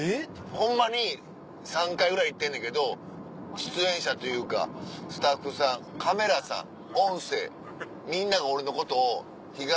ホンマに３回ぐらい行ってんねんけど出演者というかスタッフさんカメラさん音声。